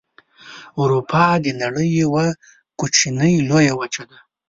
اروپا د نړۍ یوه کوچنۍ لویه وچه ده.